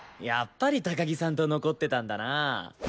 やっぱり高木さんと残ってたんだな。